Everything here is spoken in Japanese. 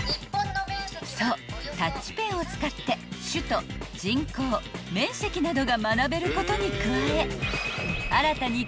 ［そうタッチペンを使って首都人口面積などが学べることに加え新たに］